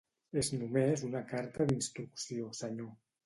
És només una carta d'instrucció, Senyor.